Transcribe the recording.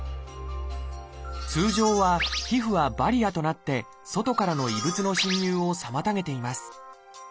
通常は皮膚はバリアとなって外からの異物の侵入を妨げています。